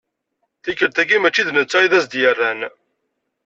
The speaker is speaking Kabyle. Tikkelt-agi mačči d netta i d as-d-yerran.